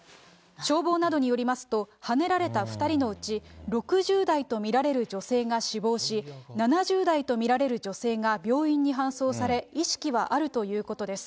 消防などによりますと、はねられた２人のうち、６０代と見られる女性が死亡し、７０代と見られる女性が病院に搬送され、意識はあるということです。